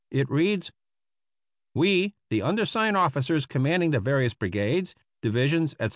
It reads: We, the undersigned officers commanding the various brigades, divisions, etc.